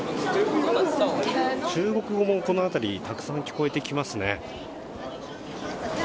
中国語もこの辺りたくさん聞こえてきますね。